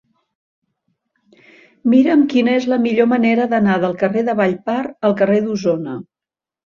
Mira'm quina és la millor manera d'anar del carrer de Vallpar al carrer d'Osona.